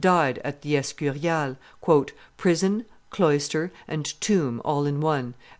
died at the Escurial, "prison, cloister, and tomb all in one," as M.